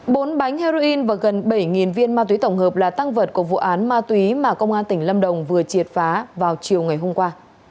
bốn bánh heroin và gần bảy viên ma túy tổng hợp là tăng vật của vụ án ma túy mà công an tỉnh lâm đồng vừa triệt phá vào chiều ngày hôm qua